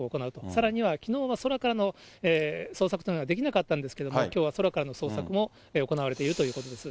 さらにはきのうは空からの捜索というのができなかったんですけれども、きょうは空からの捜索も行われているということです。